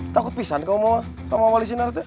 takut pisah nih kamu sama wali sinar itu